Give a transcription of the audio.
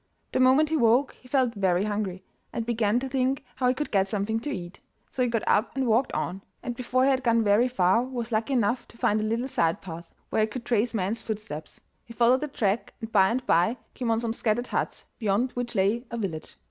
The moment he woke he felt very hungry, and began to think how he could get something to eat. So he got up and walked on, and before he had gone very far was lucky enough to find a little side path, where he could trace men's footsteps. He followed the track, and by and by came on some scattered huts, beyond which lay a village.